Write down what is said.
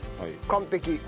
完璧！